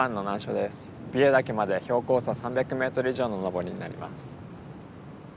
美瑛岳まで標高差３００ｍ以上の登りになります。